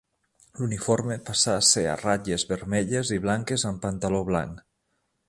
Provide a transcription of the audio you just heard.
L'uniforme passà a ser a ratlles vermelles i blanques amb pantaló blanc.